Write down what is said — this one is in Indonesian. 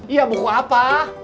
iya buku apa